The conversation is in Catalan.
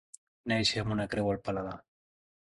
Néixer amb una creu al paladar.